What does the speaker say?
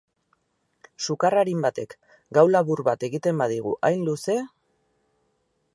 Sukar arin batek gau labur bat egiten badigu hain luze...